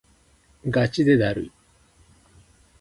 がちでだるい